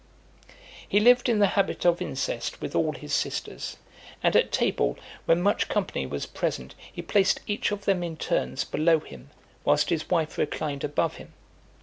XXIV. He lived in the habit of incest with all his sisters; and at table, when much company was present, he placed each of them in turns below him, whilst his wife reclined above him.